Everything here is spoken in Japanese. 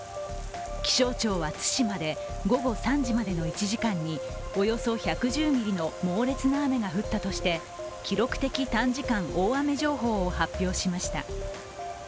気象庁は対馬で午後３時までの１時間におよそ１１０ミリの猛烈な雨が降ったとして、記録的短時間大雨情報を発表しました。